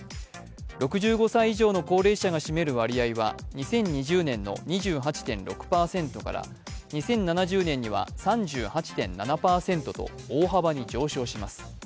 ６５歳以上の高齢者が占める割合は２０２０年の２８．６％から、２０７０年には３８．７％と大幅に上昇します。